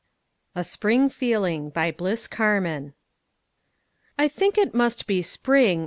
A SPRING FEELING BY BLISS CARMAN I think it must be spring.